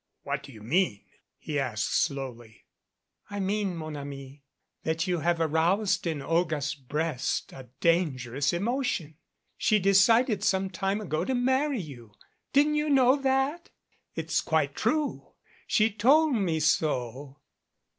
"What do you mean?" he asked slowly. "I mean, mon ami, that you have aroused in Olga's breast a dangerous emotion. She decided some time ago to marry you. Didn't you know that? It's quite true. She told me so."